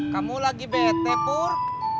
kamu lagi bete pur